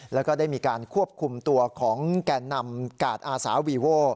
แล้วก็ได้มีการควบคุมตัวของแก่นำกาดอาสาวีโว่